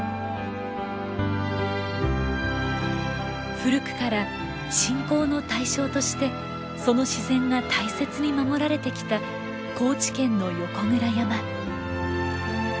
古くから信仰の対象としてその自然が大切に守られてきた高知県の横倉山。